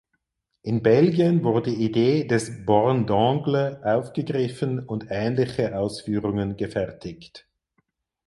In Belgien wurde die Idee des "Borne d’angle" aufgegriffen und ähnliche Ausführungen gefertigt.